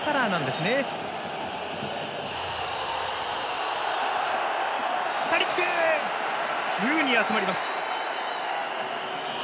すぐに集まります。